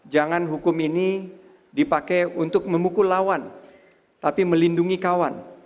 jangan hukum ini dipakai untuk memukul lawan tapi melindungi kawan